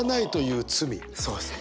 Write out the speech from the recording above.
そうですね。